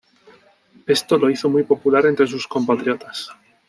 Esto lo hizo muy popular entre sus compatriotas.